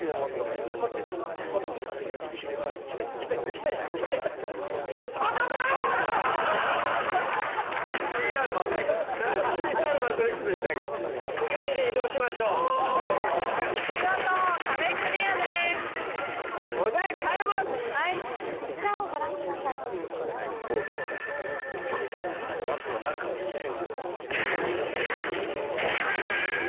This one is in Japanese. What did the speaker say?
オートマグこいつなら何とかなるかもしれん。